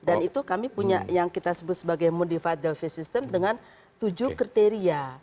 dan itu kami punya yang kita sebut sebagai modified delphi system dengan tujuh kriteria